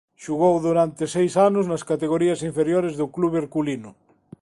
Xogou durante seis anos nas categorías inferiores do club herculino.